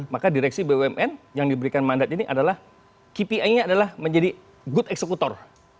maka direksi bumn yang diberikan mandat ini adalah kpi nya adalah menjadi good executor